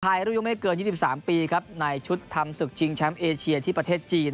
ภายรุ่นยกไม่เกิน๒๓ปีในชุดทำศึกจิงชามเอเชียที่ประเทศจีน